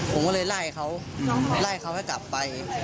ผมก็เลยไล่เขาไล่เขาให้กลับไป